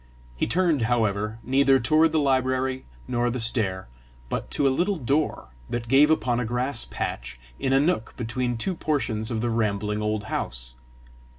He turned, however, neither toward the library nor the stair, but to a little door that gave upon a grass patch in a nook between two portions of the rambling old house.